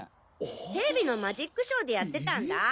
テレビのマジックショーでやってたんだ。